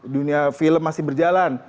dunia film masih berjalan